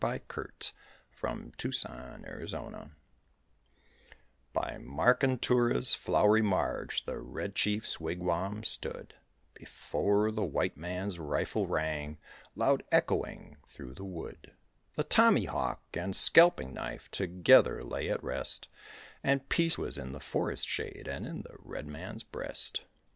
BY MARKENTURA'S FLOWERY MARGE By Markentura's flowery marge the Red Chief's wigwam stood, Before the white man's rifle rang, loud echoing through the wood; The tommy hawk and scalping knife together lay at rest, And peace was in the forest shade and in the red man's breast.